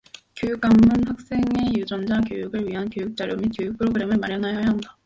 교육감은 학생의 유권자 교육을 위한 교육자료 및 교육프로그램을 마련하여야 한다.